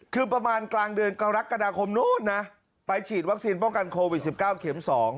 คือประมาณกลางเดือนกรกฎาคมนู้นนะไปฉีดวัคซีนป้องกันโควิด๑๙เข็ม๒